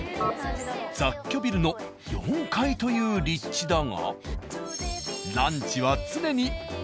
雑居ビルの４階という立地だが。